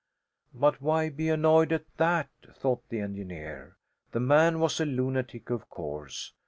But why be annoyed at that? thought the engineer. The man was a lunatic of course.